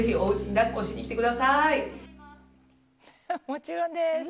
もちろんです！